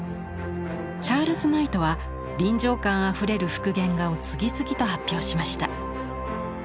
チャールズ・ナイトは臨場感あふれる復元画を次々と発表しました。